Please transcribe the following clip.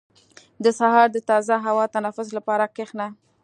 • د سهار د تازه هوا تنفس لپاره کښېنه.